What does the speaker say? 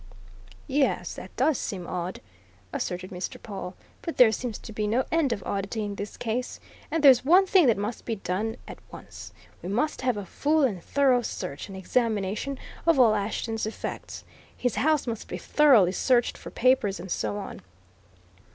"Yes, that does seem odd," asserted Mr. Pawle. "But there seems to be no end of oddity in this case. And there's one thing that must be done at once: we must have a full and thorough search and examination of all Ashton's effects. His house must be thoroughly searched for papers and so on.